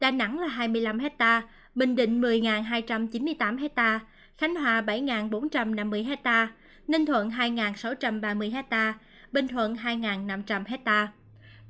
đà nẵng là hai mươi năm hectare bình định một mươi hai trăm chín mươi tám hectare khánh hòa bảy bốn trăm năm mươi hectare ninh thuận hai sáu trăm ba mươi hectare bình thuận hai năm trăm linh hectare